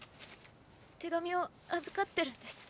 手紙を預かってるんです。